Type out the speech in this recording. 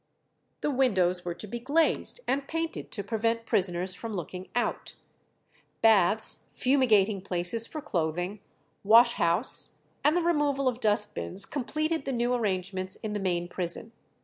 The windows were to be glazed and painted to prevent prisoners from looking out; baths, fumigating places for clothing, wash house, and the removal of dust bins, completed the new arrangements in the main prison.